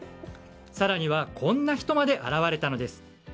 更にはこんな人まで現れたのです。